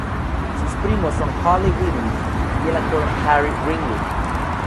Sus primos son Holly Weaving y el actor Harry Greenwood.